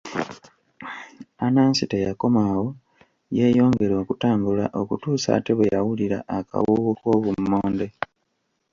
Anansi teyakoma awo, yeeyongera okutambula okutuusa ate bwe yawulira akawoowo k'obummonde.